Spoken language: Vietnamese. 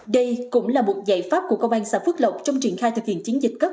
đây cũng là một giải pháp của công an xã phước lộc trong triển khai thực hiện chiến dịch cấp